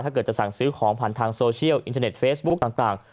ถ้าเกิดจะสั่งซื้อของผ่านทางโซเชียลอินเทอร์เน็ตเฟซบุ๊คต่าง